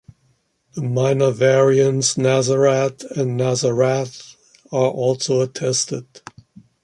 The minor variants, "Nazarat" and "Nazarath" are also attested.